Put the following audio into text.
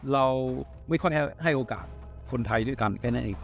เราไม่ค่อยให้โอกาสคนไทยด้วยกันแค่นั้นเอง